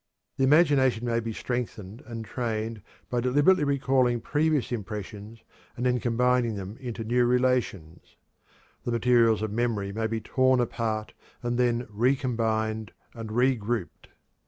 The imagination may be strengthened and trained by deliberately recalling previous impressions and then combining them into new relations. The materials of memory may be torn apart and then re combined and re grouped.